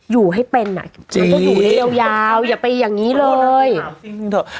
อยู่ให้เป็นอ่ะอยู่ได้ยาวอย่าไปอย่างนี้เลยจริงถูก